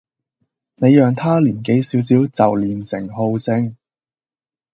你讓他年紀小小就練成好勝